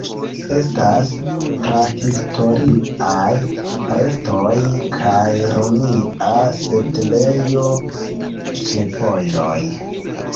Estas prahistoriaj restoj kaj romia setlejo ĉe vojoj.